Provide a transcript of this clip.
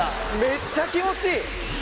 めっちゃ気持ちいい！